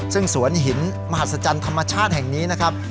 ซึ่งสวนหินมหัศจรรย์ธรรมชาติแห่งนี้นะครับ